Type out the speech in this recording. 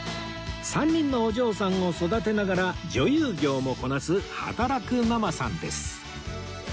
３人のお嬢さんを育てながら女優業もこなす働くママさんです